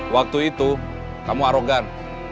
waktu itu kamu arogan